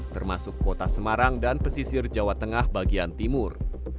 termasuk kota semarang dan pesisir jawa tengah bagian timur